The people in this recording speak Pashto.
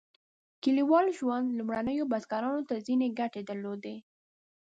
کلیوال ژوند لومړنیو بزګرانو ته ځینې ګټې درلودې.